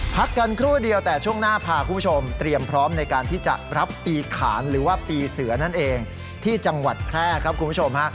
พักกันครู่เดียวแต่ช่วงหน้าพาคุณผู้ชมเตรียมพร้อมในการที่จะรับปีขานหรือว่าปีเสือนั่นเองที่จังหวัดแพร่ครับคุณผู้ชมฮะ